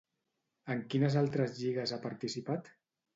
En quines altres lligues ha participat?